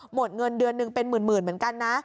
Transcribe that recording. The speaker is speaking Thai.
หมดเงินเดือนหนึ่งเป็นหมื่นเหมือนกันนะ